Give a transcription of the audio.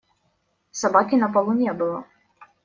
Собаки на полу не было.